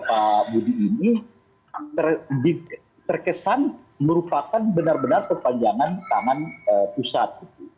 pak budi ini terkesan merupakan benar benar perpanjangan tangan pusat